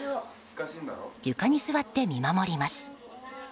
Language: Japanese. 床に座って見守ります。